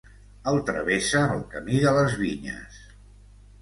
El travessa el Camí de les Vinyes.